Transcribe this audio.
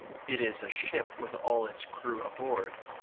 It is a ship with all its crew aboard.